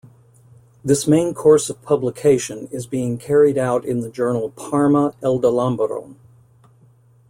This main course of publication is being carried out in the journal Parma Eldalamberon.